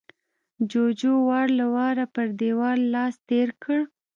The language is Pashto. جُوجُو وار له واره پر دېوال لاس تېر کړ